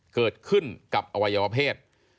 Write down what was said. เกิดขึ้นกับอวัยวเพศ